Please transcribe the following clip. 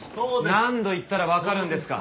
何度言ったらわかるんですか？